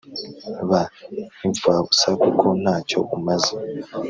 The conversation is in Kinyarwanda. ba impfabusa kuko ntacyo umaze